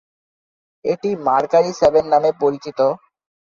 এটি "Mercury Seven" নামে পরিচিত।